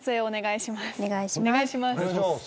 お願いします。